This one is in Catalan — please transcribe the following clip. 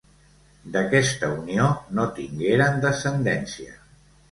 D'aquesta unió no tingueren descendència.